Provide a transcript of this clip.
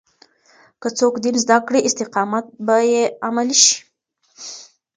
که څوک دين زده کړي، استقامت به يې عملي شي.